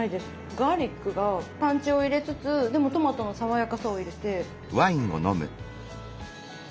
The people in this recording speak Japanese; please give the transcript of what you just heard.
ガーリックがパンチを入れつつでもトマトの爽やかさを入れて。